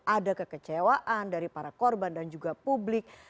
ada kekecewaan dari para korban dan juga publik